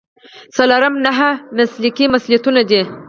څلورم نهه مسلکي مسؤلیتونه دي.